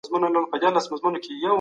ازادي په وړیا توګه نه ترلاسه کیږي.